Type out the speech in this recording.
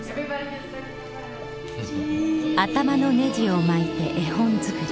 頭のネジを巻いて絵本作り。